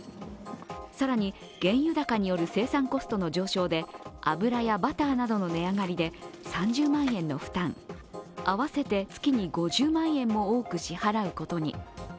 更に、原油高による生産コストの上昇で油やバターなどの値上がりで３０万円の負担、合わせて月に５０万円も多く支払うことに。